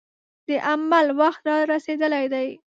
د عمل وخت را رسېدلی دی.